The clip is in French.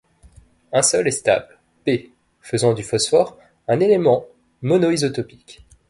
Un seul est stable, P, faisant du phosphore un élément monoisotopique.